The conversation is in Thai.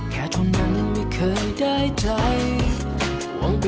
ที่จะเป็นคนสำคัญของเธอ